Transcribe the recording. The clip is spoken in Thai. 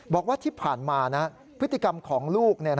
บอกว่าที่ผ่านมาพฤติกรรมของลูก